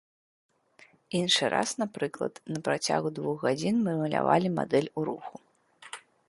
Іншы раз, напрыклад, на працягу дзвух гадзін мы малявалі мадэль у руху.